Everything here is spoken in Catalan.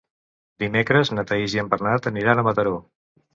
Dimecres na Thaís i en Bernat aniran a Mataró.